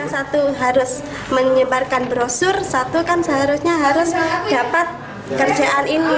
satu harus menyebarkan brosur satu kan seharusnya harus dapat kerjaan ini